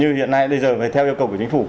như hiện nay bây giờ theo yêu cầu của chính phủ